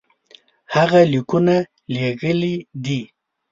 هغه لیکونه لېږلي دي.